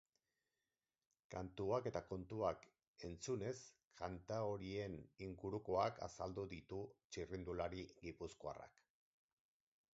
Kantuak eta kontuak entzunez kanta horien ingurukoak azaldu ditu txirrindulari gipuzkoarrak.